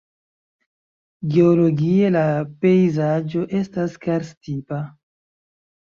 Geologie la pejzaĝo estas karst-tipa.